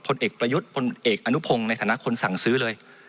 ผลเอกประยุทธ์พลเอกอนุพงศ์ในฐานะคนสั่งซื้อเลย